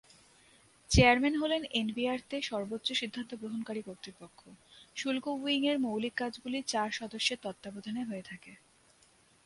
Chairman হলেন এনবিআর-তে সর্বোচ্চ সিদ্ধান্ত গ্রহণকারী কর্তৃপক্ষ, শুল্ক উইংয়ের মৌলিক কাজগুলি চার সদস্যের তত্ত্বাবধানে হয়ে থাকে।